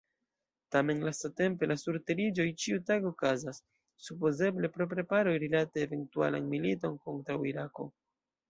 Tamen lastatempe la surteriĝoj ĉiutage okazas, supozeble pro preparoj rilate eventualan militon kontraŭ Irako.